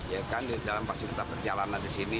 ya kan di dalam pasir tetap berjalanan di sini